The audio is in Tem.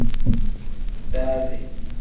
Daazi.